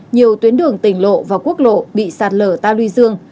nhiều tuyến đường tỉnh lộ và quốc lộ bị sạt lở ta luy dương